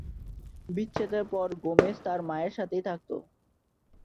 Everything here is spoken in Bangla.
বিচ্ছেদের পর গোমেজ তার মায়ের সাথেই থাকত।